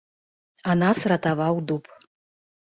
А нас ратаваў дуб.